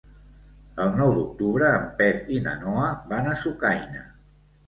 El nou d'octubre en Pep i na Noa van a Sucaina.